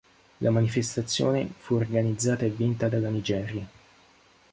La manifestazione fu organizzata e vinta dalla Nigeria.